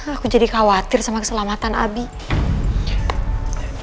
aku jadi khawatir sama keselamatan abi